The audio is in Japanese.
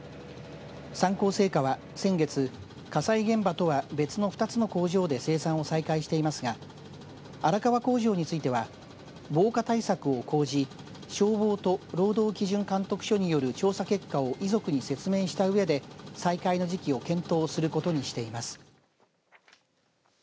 三幸製菓は先月、火災現場とは別の２つの工場で生産を再開していますが荒川工場については防火対策を講じ消防と労働基準監督署による調査結果を遺族に説明したうえで再開の時期を検討することにしています。